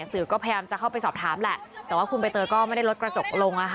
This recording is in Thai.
สื่อก็พยายามจะเข้าไปสอบถามแหละแต่ว่าคุณใบเตยก็ไม่ได้ลดกระจกลง